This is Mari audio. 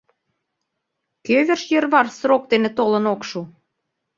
Кӧ верч йӧрвар срок дене толын ок шу?